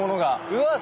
うわっ！